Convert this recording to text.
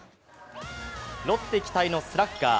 ロッテ期待のスラッガー